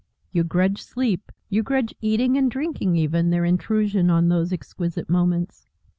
You grudge sleep, you grudge eating, and drinking even, their intrusion on those exquisite moments.